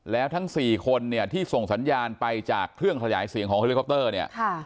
แล้วทั้งสี่คนเนี้ยที่ส่งสัญญาณไปจากเครื่องทะลายเสียงของเนี้ยค่ะ